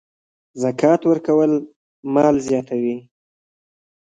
زکات ورکول مال زیاتوي.